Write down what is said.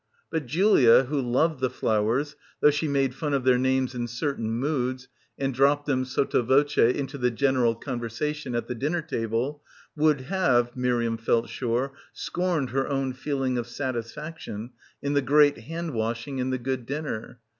But Julia, who loved the flowers, though she made fun of their names in certain moods and dropped them sotto voce into the general conversation at the dinner table, would have, Miriam felt sure, scorned her own feeling of satisfaction in the great hand washing and the good dinner.